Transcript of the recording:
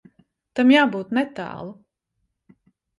Tam jābūt netālu.